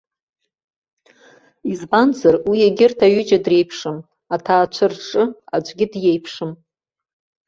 Избанзар, уи егьырҭ аҩыџьа дреиԥшым, аҭаацәа рҿы аӡәгьы диеиԥшым.